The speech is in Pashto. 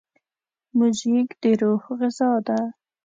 موزیک د روح غذا ده.